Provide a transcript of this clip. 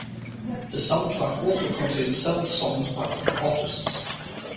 The soundtrack also contain several songs by other artists.